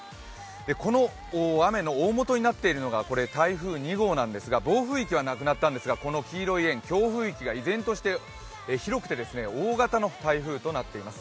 この雨の大もとになっているのが台風２号なんですが暴風域はなくなったんですが黄色い円の強風域が依然として広くて、大型の台風となっています。